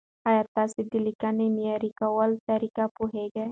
ایا تاسو د لیکنې معیاري کولو طریقه پوهېږئ؟